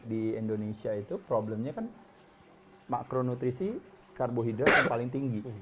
di indonesia itu problemnya kan makronutrisi karbohidrat yang paling tinggi